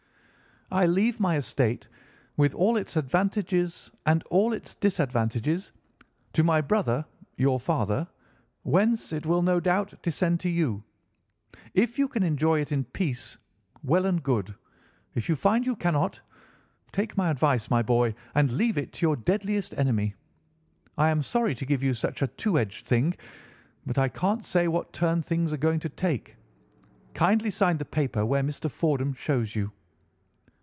I leave my estate, with all its advantages and all its disadvantages, to my brother, your father, whence it will, no doubt, descend to you. If you can enjoy it in peace, well and good! If you find you cannot, take my advice, my boy, and leave it to your deadliest enemy. I am sorry to give you such a two edged thing, but I can't say what turn things are going to take. Kindly sign the paper where Mr. Fordham shows you.